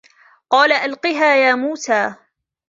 قَالَ أَلْقِهَا يَا مُوسَى